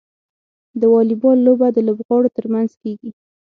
د واليبال لوبه د لوبغاړو ترمنځ کیږي.